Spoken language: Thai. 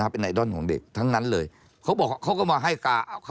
เป็นไอดอลของเด็กทั้งนั้นเลยเขาบอกเขาก็มาให้การ